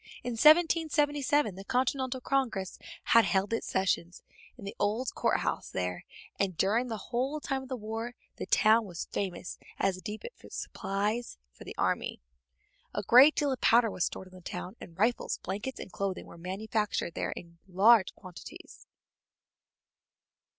In 1777 the Continental Congress had held its sessions in the old court house there, and during the whole time of the war the town was famous as the depot of supplies for the army. A great deal of powder was stored in the town, and rifles, blankets, and clothing were manufactured there in large quantities.